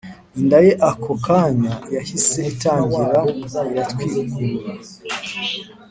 Inda ye ako kanya yahise itangira iratwikurura